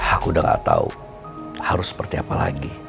aku udah gak tahu harus seperti apa lagi